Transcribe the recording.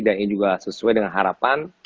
dan ini juga sesuai dengan harapan